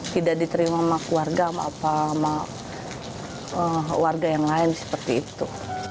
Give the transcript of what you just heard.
tidak diterima sama keluarga sama warga yang lain seperti itu